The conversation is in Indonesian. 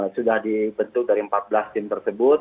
sudah dibentuk dari empat belas tim tersebut